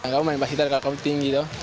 kamu main basket dari kakak kamu tinggi dong